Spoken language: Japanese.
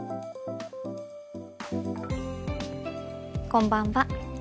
こんばんは。